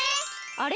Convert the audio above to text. あれ？